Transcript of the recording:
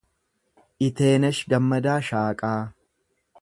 Iteenesh Gammadaa Shaaqaa